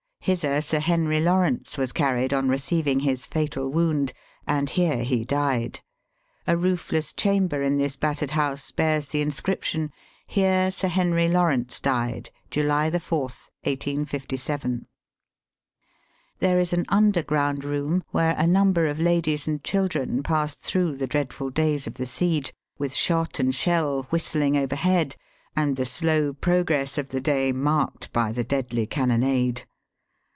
Hither Sir Henry Lawrence was carried on receiving his fatal wound, and here he died. A roofless chamber in this battered house bears the inscription :'' Here Sir Henry Lawrence died, July 4, 1857." There is an underground room where a number of ladies and children passed through the dreadful days of the siege, with shot and shell whistling overhead and the slow progress of the day marked by the deadly cannonade.